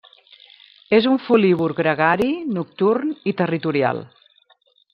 És un folívor gregari, nocturn i territorial.